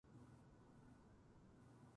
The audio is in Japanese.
そろそろ寝ようかな